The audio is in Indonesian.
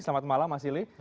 selamat malam mas sili